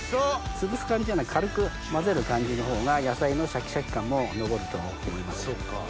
つぶす感じじゃない軽く混ぜる感じのほうが野菜のシャキシャキ感も残ると思います。